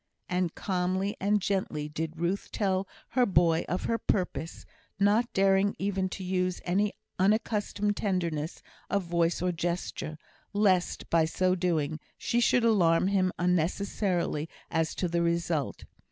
And calmly and gently did Ruth tell her boy of her purpose; not daring even to use any unaccustomed tenderness of voice or gesture, lest, by so doing, she should alarm him unnecessarily as to the result.